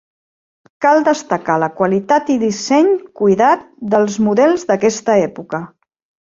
Cal destacar la qualitat i disseny cuidat dels models d'aquesta època.